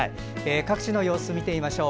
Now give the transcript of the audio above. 各地の様子を見てみましょう。